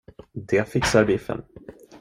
Det fixar biffen.